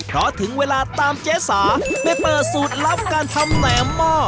ขอถึงเวลาตามเจ๋สาให้เปิดสูตรลับการทำแหน่มหม้อ